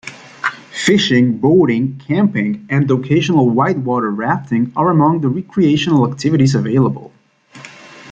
Fishing, boating, camping and occasional whitewater rafting are among the recreational activities available.